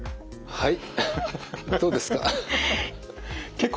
はい。